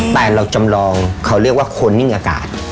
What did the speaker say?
แต่เราจำลองเขาเรียกว่าคนไม่มีอากาศ